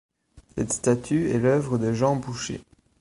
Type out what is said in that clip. Cette statue est l’œuvre de Jean Boucher.